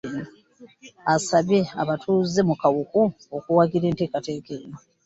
Asabye abatuuze mu Kawuku okuwagira enteekateeka eno.